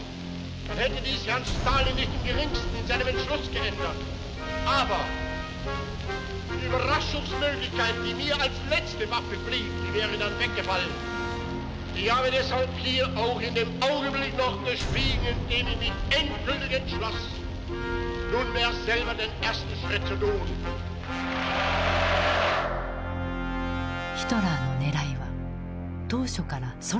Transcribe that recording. ヒトラーのねらいは当初からソ連だった。